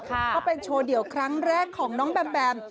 ก็เป็นโชว์เดี่ยวครั้งแรกของน้องแบมแบม